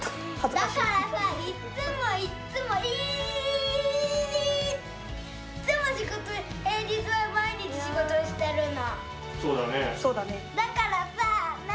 だからさ、いっつもいっつも、いーっつも仕事、平日は毎日仕事してるの。